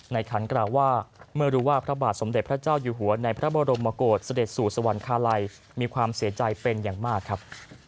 ขันกล่าวว่าเมื่อรู้ว่าพระบาทสมเด็จพระเจ้าอยู่หัวในพระบรมโกศเสด็จสู่สวรรคาลัยมีความเสียใจเป็นอย่างมากครับ